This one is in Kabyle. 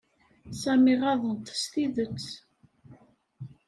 Sami ɣaḍen-t s tidet.